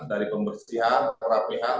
dari pembersihan perapihan